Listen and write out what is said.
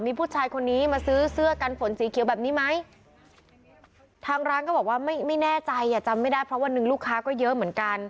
มีผู้ชายคนนี้มาซื้อเสื้อกันฝนสีเขียวแบบนี้ไหม